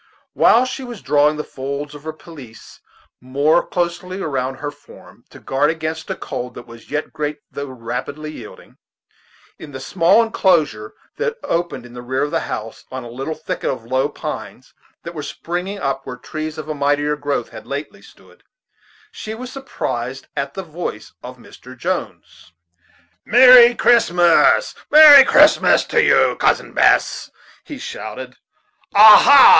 While she was drawing the folds of her pelisse more closely around her form, to guard against a cold that was yet great though rapidly yielding, in the small inclosure that opened in the rear of the house on a little thicket of low pines that were springing up where trees of a mightier growth had lately stood, she was surprised at the voice of Mr. Jones. "Merry Christmas, merry Christmas to you, Cousin Bess," he shouted. "Ah, ha!